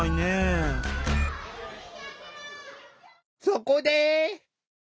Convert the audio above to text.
そこで！